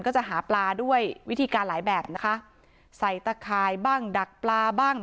ก็จะหาปลาด้วยวิธีการหลายแบบนะคะใส่ตะข่ายบ้างดักปลาบ้าง